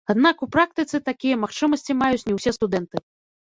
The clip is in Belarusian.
Аднак у практыцы такія магчымасці маюць не ўсе студэнты.